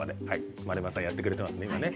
丸山さん、やってくださっていますね。